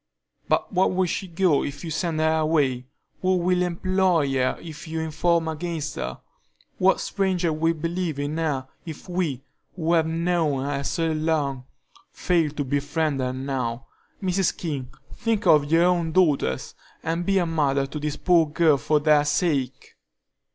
"But where will she go if you send her away? Who will employ her if you inform against her? What stranger will believe in her if we, who have known her so long, fail to befriend her now? Mrs. King, think of your own daughters, and be a mother to this poor girl for their sake."